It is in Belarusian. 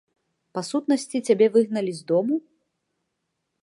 Па-сутнасці, цябе выгналі з дому?